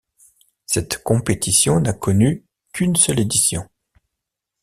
Cette compétition n'a connu qu'une seule édition.